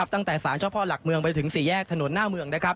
ตั้งแต่สารเจ้าพ่อหลักเมืองไปถึง๔แยกถนนหน้าเมือง